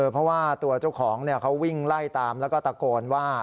เพราะว่าตัวเจ้าของเขาวิ่งไล่ตามแล้วก็ตะโกนว่า